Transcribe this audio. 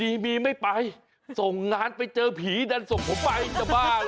มีมีไม่ไปส่งงานไปเจอผีดันส่งผมไปจะบ้า